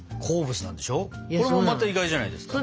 これもまた意外じゃないですか。